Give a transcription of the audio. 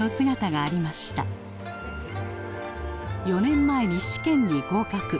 ４年前に試験に合格。